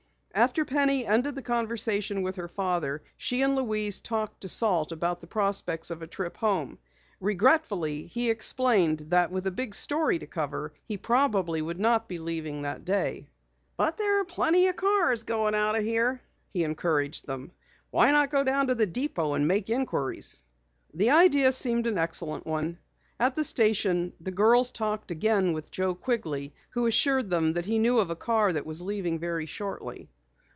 After Penny ended the conversation with her father, she and Louise talked to Salt about the prospects of a trip home. Regretfully he explained that with a big story to cover, he probably would not be leaving that day. "But there are plenty of cars going out of here," he encouraged them. "Why not go down to the depot and make inquiries." The idea seemed an excellent one. At the station the girls talked again with Joe Quigley who assured them he knew of a car that was leaving very shortly.